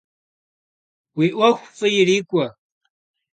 Уи ӏуэху фӏы ирикӏуэ!